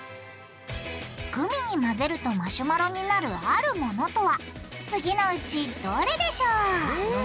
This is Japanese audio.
グミに混ぜるとマシュマロになるあるものとは次のうちどれでしょう？え？